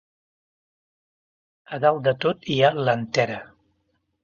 A dalt de tot hi ha l'antera.